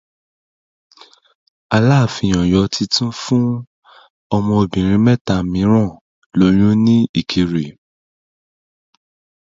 Aláàfin Ọ̀yọ́ ti fún ọmọbìnrin mẹ́ta mìíràn lóyún ní Ìkirè